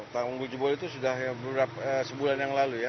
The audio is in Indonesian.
tanggul jebol itu sudah sebulan yang lalu ya